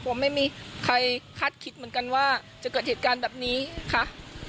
ว่าไม่มีใครคาดคิดเหมือนกันว่าจะเกิดเหตุการณ์แบบนี้ค่ะ